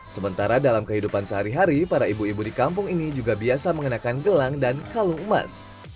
sementara dalam kehidupan sehari hari para ibu ibu di kampung ini juga biasa mengenakan gelang dan kalung emas